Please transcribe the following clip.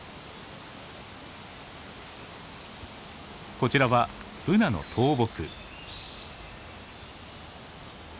こちらはブナの倒木。